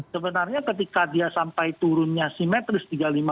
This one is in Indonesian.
sebenarnya ketika dia sampai turunnya simetris tiga puluh lima tiga puluh lima